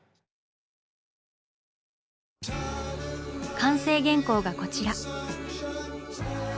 完成原稿がこちら。